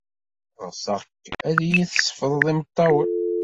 Ɣseɣ-k ad iyi-tsefḍed imeṭṭawen.